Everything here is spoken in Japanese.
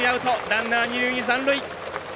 ランナー、二塁に残塁。